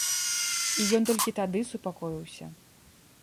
І ён толькі тады супакоіўся.